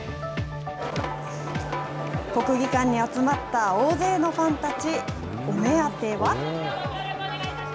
国技館に集まった大勢のファンたち、お目当ては。